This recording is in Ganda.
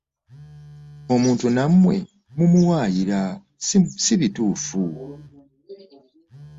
Omuntu nammwe mumuwaayira si bituufu.